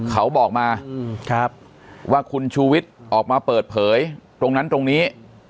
เขาบอกมาว่าคุณชูวิทย์ออกมาเปิดเผยตรงนั้นตรงนี้